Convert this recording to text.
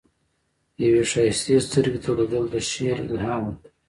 یوې ښایستې سترګې ته لیدل، د شعر الهام ورکوي.